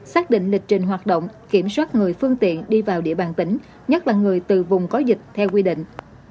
xác định lịch trình hoạt động kiểm soát người phương tiện đi vào địa bàn tỉnh nhất là người từ vùng có dịch theo quy định